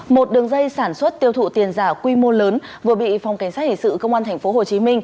một đường dây sản xuất tiêu thụ tiền giả quy mô lớn vừa bị phòng cảnh sát hình sự công an tp hcm